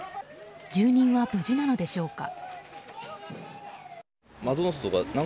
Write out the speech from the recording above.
住人は無事なんでしょうか。